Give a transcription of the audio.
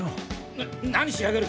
なっ何しやがる！